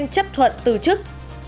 chấp thuận từ chức